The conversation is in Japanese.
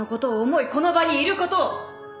この場にいることを！